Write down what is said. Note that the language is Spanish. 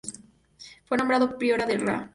Fue nombrada Priora la Ra.